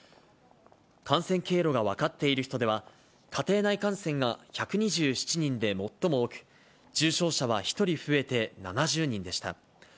感染経路が分かっている人では、家庭内感染が１２７人で最も多く、重症者は１人増えて７０人でした。